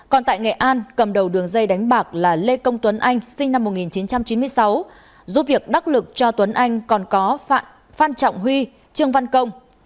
còn tại nghệ an cầm đầu đường dây đánh bạc là lê công tuấn anh sinh năm một nghìn chín trăm chín mươi sáu giúp việc đắc lực cho tuấn anh còn có phan trọng huy trương văn công